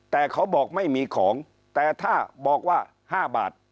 แต่เขาบอกไม่มีของแต่ถ้าบอกว่า๕บาท